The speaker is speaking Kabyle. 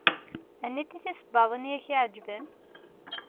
Aniti tisebbaḍin i ak-iɛeǧben?